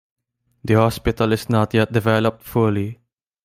The hospital is not yet developed fully.